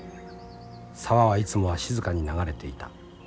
沢はいつもは静かに流れていた。